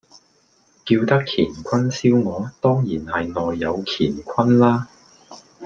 叫得乾坤燒鵝，當然係內有乾坤啦